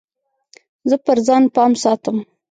زه پر ځان پام ساتم.